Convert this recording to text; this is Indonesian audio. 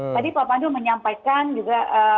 tadi pak pandu menyampaikan juga